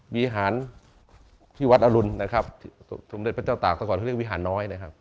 วิหารที่วัดอรุณนะครับสมเด็จพระเจ้าตากซะก่อนเขาเรียกวิหารน้อยนะครับ